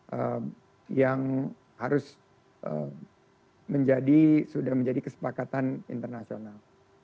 tentunya yang harus menjadi sudah menjadi kesepakatan internasional